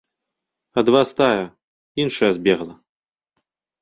Ад вас тая, іншая збегла.